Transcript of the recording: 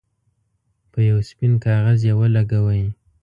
په یو سپین کاغذ یې ولګوئ.